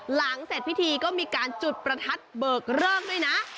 หลังเสร็จพิธีก็มีการจุดประทัดเบิกเลิกด้วยนะ